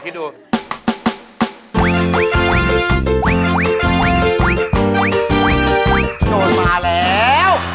โจชน์มาแล้ว